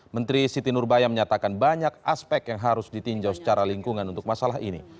menteri siti nurbaya menyatakan banyak aspek yang harus ditinjau secara lingkungan untuk masalah ini